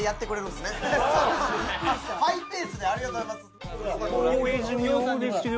ハイペースでありがとうございます大泉洋ですよ